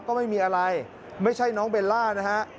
ก็ไม่มีอะไรไม่ใช่น้องเบลล่านะฮะ